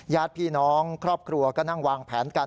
ญาติพี่น้องครอบครัวก็นั่งวางแผนกัน